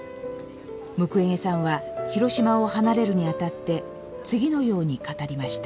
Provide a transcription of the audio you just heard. ムクウェゲさんは広島を離れるにあたって次のように語りました。